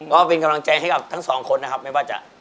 ก็เป็นกำลังใจให้กับทั้งสองคนนะครับไม่ว่าจะ